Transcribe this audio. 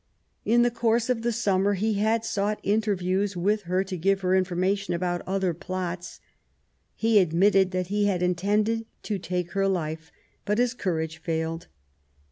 In the course of the summer he had sought inter views with her to give her information about other plots. He admitted that he had intended to take her life, but his courage failed.